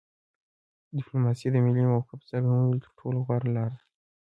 ډیپلوماسي د ملي موقف د څرګندولو تر ټولو غوره لار ده